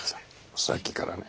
さっきからね。